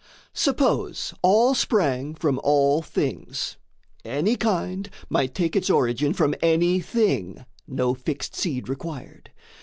Suppose all sprang from all things: any kind Might take its origin from any thing, No fixed seed required.